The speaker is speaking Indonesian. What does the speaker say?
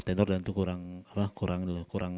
tenor dan itu kurang